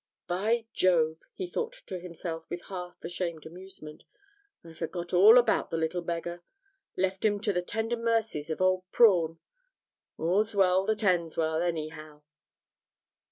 'By Jove,' he thought to himself with half ashamed amusement, 'I forgot all about the little beggar; left him to the tender mercies of old Prawn. All's well that ends well, anyhow!'